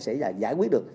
sẽ là giải quyết được